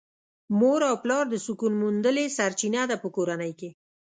مور او پلار د سکون موندلې سرچينه ده په کورنۍ کې .